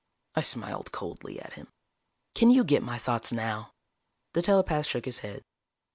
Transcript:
I smiled coldly at him. "Can you get my thoughts now?" The telepath shook his head.